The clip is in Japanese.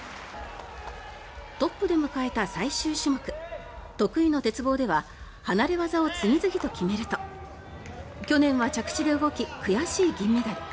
トップで迎えた最終種目得意の鉄棒では離れ技を次々と決めると去年は着地で動き悔しい銀メダル。